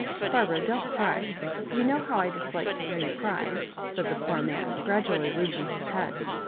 Barbara, don't cry. You know how I dislike to hear you cry," said the poor man, gra dually losing bis bead.